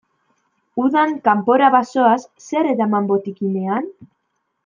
Udan kanpora bazoaz, zer eraman botikinean?